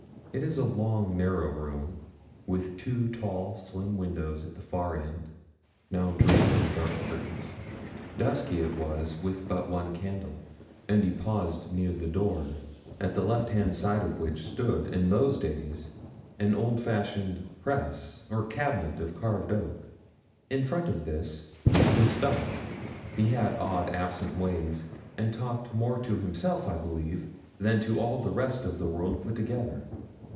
It is a long, narrow room, with two tall, slim windows at the far end, now draped in dark curtains. Dusky it was with but one candle; and he paused near the door, at the left hand side of which stood, in those days, an old fashioned press or cabinet of carved oak. In front of this he stopped. He had odd, absent ways, and talked more to himself, I believe, than to all the rest of the world put together.